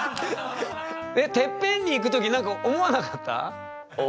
てっぺんに行く時なんか思わなかった？